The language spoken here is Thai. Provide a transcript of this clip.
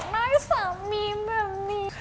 ได้สามีแบบนี้ค่ะ